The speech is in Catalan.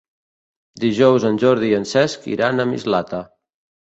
Dijous en Jordi i en Cesc iran a Mislata.